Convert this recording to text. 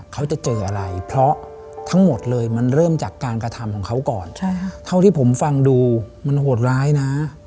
เขาจะเจออะไรเพราะทั้งหมดเลยมันเริ่มจากการกระทำของเขาก่อนเท่าที่ผมฟังดูมันโหดร้ายนะ